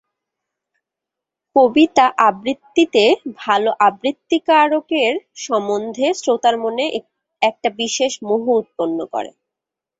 কবিতা-আবৃত্তিতে ভালো আবৃত্তিকারকের সম্বন্ধে শ্রোতার মনে একটা বিশেষ মোহ উৎপন্ন করে।